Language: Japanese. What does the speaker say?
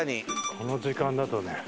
この時間だとねああ。